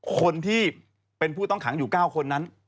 คนที่เป็นผู้ต้องขังอยู่๙คนนั้น